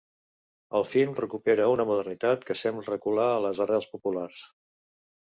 El film recupera una modernitat que sembla recular a les arrels populars.